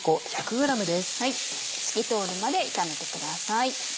透き通るまで炒めてください。